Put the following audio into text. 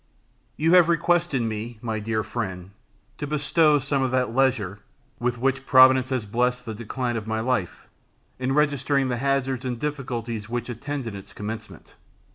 You have requested me, my dear friend, to bestow some of that leisure, with which Providence has blessed the decline of my life, in registering the hazards and difficulties which attended its commencement.